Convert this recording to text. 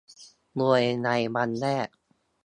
โดยในวันแรก